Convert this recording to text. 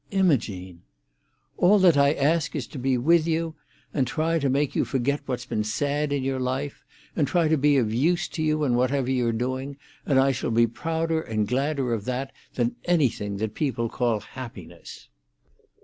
"Imogene!" "All that I ask is to be with you, and try to make you forget what's been sad in your life, and try to be of use to you in whatever you are doing, and I shall be prouder and gladder of that than anything that people call happiness."